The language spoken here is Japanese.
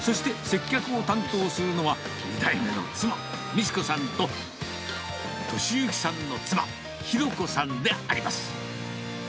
そして接客を担当するのは、２代目の妻、美知子さんと、敏行さんの妻、裕子さんであります。